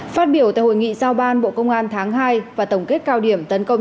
phát biểu tại hội nghị giao ban bộ công an tháng hai và tổng kết cao điểm tấn công